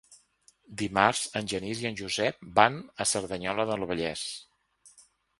Dimarts en Genís i en Josep van a Cerdanyola del Vallès.